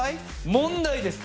問題です